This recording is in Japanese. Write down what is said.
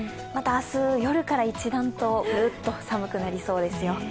また明日、夜から一段とグッと寒くなりそうですよ。